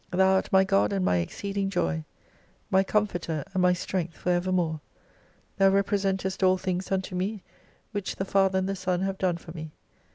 Thou art my God and my exceeding joy, my Comforter and my strength for evermore. Thou representest all things unto me, which the Father and the Son have done for me.